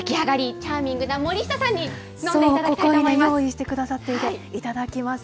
チャーミングな森下さんに飲んでいただきたいと思います。